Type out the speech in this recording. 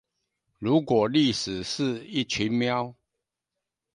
如果歷史是一群喵